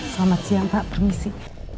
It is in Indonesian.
selamat siang pak permisi